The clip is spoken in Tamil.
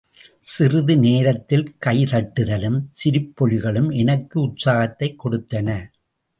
சிறிது நேரத்தில் கை தட்டுதலும், சிரிப்பொலிகளும் எனக்கு உற்சாகத்தைக் கொடுத்தன.